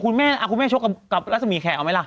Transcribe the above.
คุณแม่คุณแม่ชกกับรัศมีแขกเอาไหมล่ะ